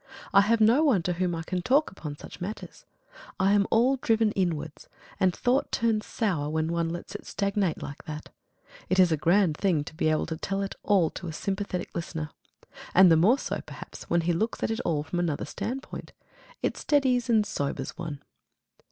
I have no one to whom I can talk upon such matters. I am all driven inwards, and thought turns sour when one lets it stagnate like that. It is a grand thing to be able to tell it all to a sympathetic listener and the more so perhaps when he looks at it all from another standpoint. It steadies and sobers one.